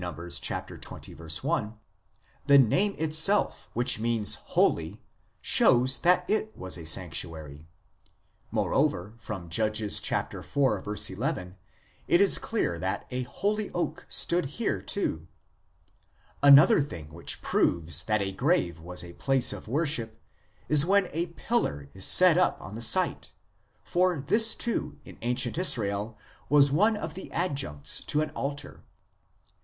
xx. 1), the name itself, which means " holy," shows that it was a sanctuary ; moreover from Judges iv. 11 it is clear that a holy oak stood here too. Another thing which proves that a grave was a place of worship is when a pillar (Mazzebah) is set up on the site, for this, too, in ancient Israel was one of the adjuncts to an altar.